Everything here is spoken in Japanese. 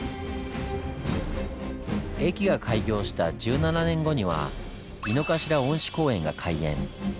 駅が開業した１７年後には井の頭恩賜公園が開園。